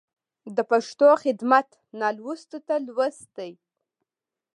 د پښتو خدمت نالوستو ته لوست دی.